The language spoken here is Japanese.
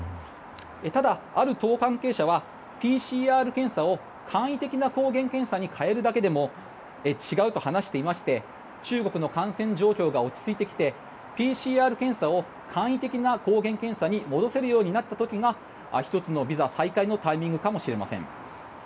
ただ、ある党関係者はＰＣＲ検査を簡易的な抗原検査に変えるだけでも違うと話していまして中国の感染状況が落ち着いてきてＰＣＲ検査を簡易的な抗原検査に戻せるようになった時が１つのビザ再開のタイミングかもしれません。